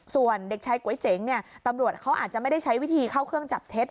ส่วนเด็กชายก๋วยเจ๋งเนี่ยตำรวจเขาอาจจะไม่ได้ใช้วิธีเข้าเครื่องจับเท็จ